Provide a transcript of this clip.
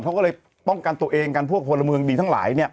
เขาก็เลยป้องกันตัวเองกันพวกพลเมืองดีทั้งหลาย